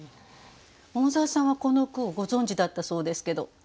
桃沢さんはこの句をご存じだったそうですけど。